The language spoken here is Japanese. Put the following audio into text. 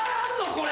これ。